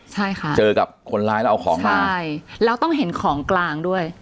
ใช่ค่ะเจอกับคนร้ายแล้วเอาของมาใช่แล้วต้องเห็นของกลางด้วย